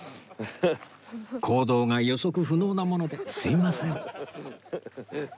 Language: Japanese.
行動が予測不能なものですいません